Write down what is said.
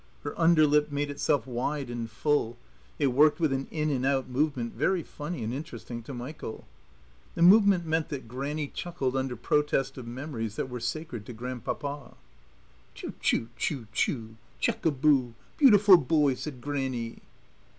Her under lip made itself wide and full; it worked with an in and out movement very funny and interesting to Michael. The movement meant that Grannie chuckled under protest of memories that were sacred to Grandpapa. "Tchoo tchoo tchoo tchoo! Chuckaboo! Beautiful boy!" said Grannie.